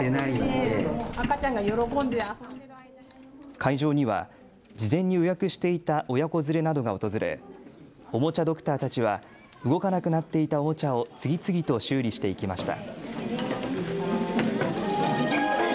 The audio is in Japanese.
会場には事前に予約していた親子連れなどが訪れおもちゃドクターたちは動かなくなっていたおもちゃを次々と修理していきました。